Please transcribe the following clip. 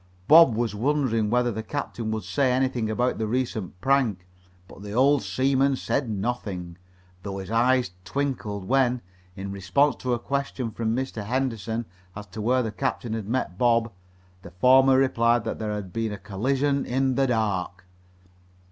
Bob was wondering whether the captain would say anything about the recent prank, but the old seaman said nothing, though his eyes twinkled when, in response to a question from Mr. Henderson as to where the captain had met Bob, the former replied that there had been a collision in the dark.